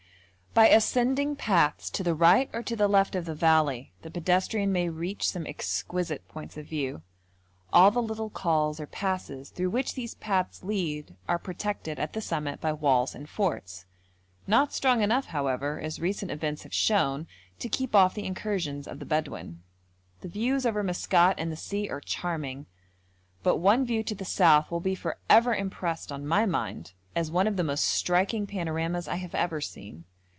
By ascending paths to the right or to the left of the valley, the pedestrian may reach some exquisite points of view; all the little cols or passes through which these paths lead are protected at the summit by walls and forts not strong enough, however, as recent events have shown, to keep off the incursions of the Bedouin. The views over Maskat and the sea are charming, but one view to the south will be for ever impressed on my mind as one of the most striking panoramas I have ever seen.